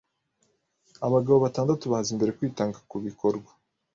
Abagabo batandatu baza imbere kwitanga kubikorwa.